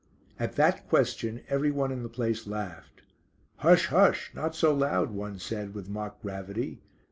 At that question everyone in the place laughed. "Hush! hush! not so loud," one said, with mock gravity.